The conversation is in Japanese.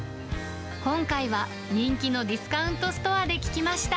今回は人気のディスカウントストアで聞きました。